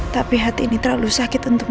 tapi hati ini terlalu sakit untuk